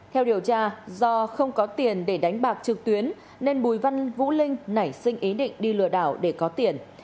theo điều tra do không có tiền để đánh bạc trực tuyến nên bùi văn vũ linh nảy sinh ý định đi lừa đảo để có tiền